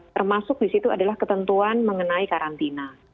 termasuk di situ adalah ketentuan mengenai karantina